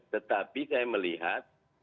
tetapi saya melihat